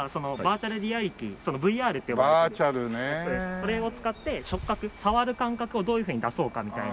それを使って触覚触る感覚をどういうふうに出そうかみたいな。